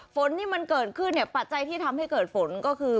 ฝนที่มันเกิดขึ้นเนี่ยปัจจัยที่ทำให้เกิดฝนก็คือ